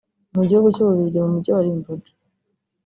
Mu gihugu cy’u Bubiligi mu Mujyi wa Limbourg